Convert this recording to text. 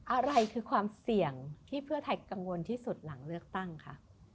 อะไรคือความเสี่ยงที่เพื่อไทยกังวลที่สุดหลังเลือกตั้งค่ะ